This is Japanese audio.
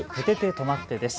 とまって！です。